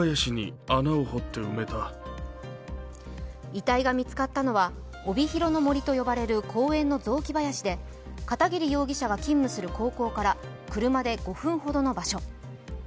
遺体が見つかったのは帯広の森と呼ばれる公園の雑木林で片桐容疑者が勤務する高校から車で５分ほどの場所。